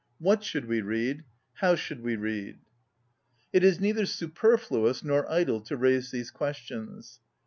What should we read? How should we read? It is neither superfluous nor idle to raise these questions.